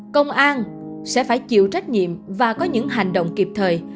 công an sẽ phải chịu trách nhiệm và có những hành động kịp thời